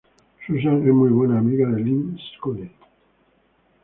Susan es muy buena amiga de Lyn Scully.